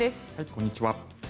こんにちは。